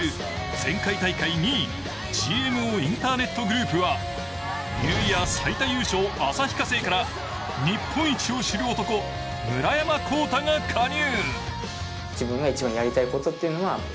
前回大会２位、ＧＭＯインターネットグループはニューイヤー最多優勝・旭化成から日本一を知る男、村山紘太が加入。